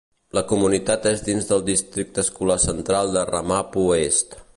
La comunitat és dins del districte escolar central de Ramapo Est.